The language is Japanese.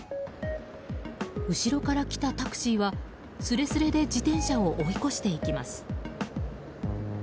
後ろから来たタクシーはすれすれで自転車を追い越していきます。